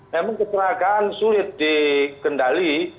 memang kecelakaan sulit dikendali